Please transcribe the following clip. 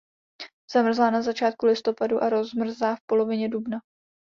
Zamrzá na začátku listopadu a rozmrzá v polovině dubna.